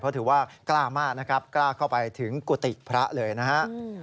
เพราะถือว่ากล้ามากนะครับกล้าเข้าไปถึงกุฏิพระเลยนะครับ